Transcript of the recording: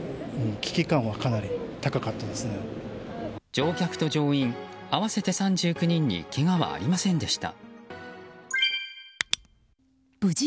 乗客と乗員合わせて３９人にけがはありませんでした。